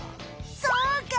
そうか！